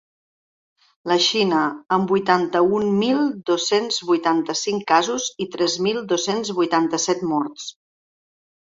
La Xina, amb vuitanta-un mil dos-cents vuitanta-cinc casos i tres mil dos-cents vuitanta-set morts.